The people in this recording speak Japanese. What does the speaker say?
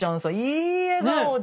いい笑顔で！